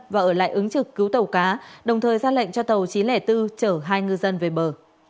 và bốn trăm linh bốn chở hai ngư dân về bờ